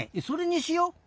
それにしよう。